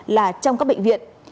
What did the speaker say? là trong các bệnh viện